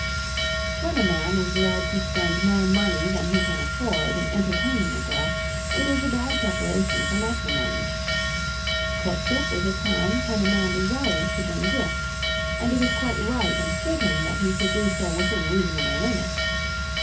When a man is led to spend more money than he can afford in entertaining a girl it is a bad preparation for matrimony. Courtship is a time when a man desires to bring gifts, and it is quite right and fitting that he should do so within reasonable limits.